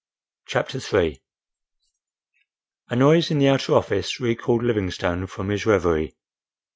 CHAPTER III A noise in the outer office recalled Livingstone from his reverie.